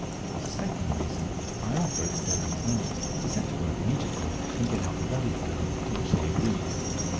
Suspecting the reason, I offered, though it was night, to set to work immediately and get out the body for them, to which they agreed.